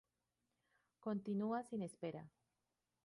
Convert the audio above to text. Continúa sin espera...